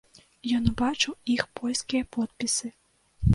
Ён убачыў іх польскія подпісы.